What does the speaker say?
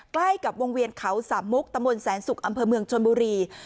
ใกล้กับวงเวียนเขาสามมุกตะมนต์แสนศุกร์อำเภอเมืองชนบุรี